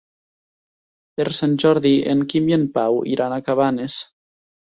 Per Sant Jordi en Quim i en Pau iran a Cabanes.